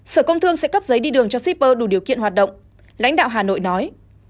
sở công thương sẽ cấp giấy đi đường cho shipper đủ điều kiện hoạt động lãnh đạo hà nội nói